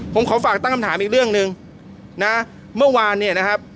ผมขอฝากตั้งคำถามอีกเรื่องหนึ่งนะเมื่อวานเนี่ยนะครับ